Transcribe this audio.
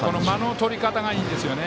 間の取り方がいいですよね。